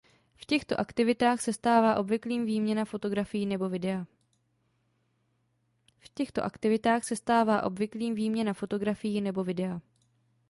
V těchto aktivitách se stává obvyklým výměna fotografií nebo videa.